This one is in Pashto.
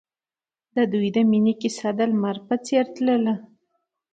د دوی د مینې کیسه د لمر په څېر تلله.